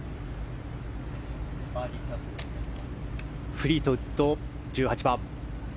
フリートウッド１８番。